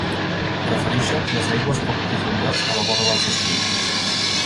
Preferixen les aigües poc profundes a la vora dels esculls.